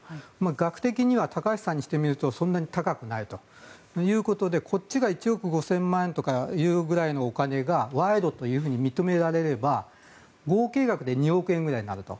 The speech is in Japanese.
額的には高橋さんにしてみるとそんなに高くないということでこっちが１億５０００万円というぐらいのお金が賄賂というふうに認められれば合計額で２億円くらいになると。